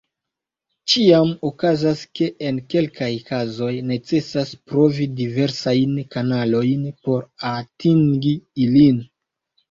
Ĉiam okazas ke en kelkaj kazoj necesas provi diversajn kanalojn por atingi ilin.